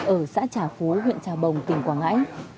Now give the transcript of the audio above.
ở xã trà phú huyện trà bồng tỉnh quảng ngãi